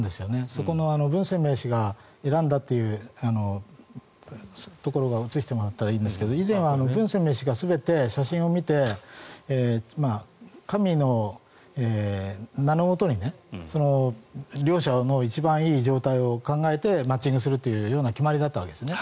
そこのブン・センメイ氏が選んだというところを映してもらったらいいんですが以前はブン・センメイ氏が全て写真を見て神の名のもとに両者の一番いい状態を考えてマッチングするというような気まりだったわけですね。